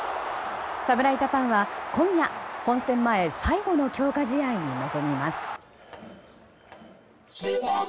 侍ジャパンは今夜、本戦前最後の強化試合に臨みます。